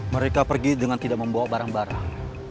mereka pergi dengan tidak membawa barang barang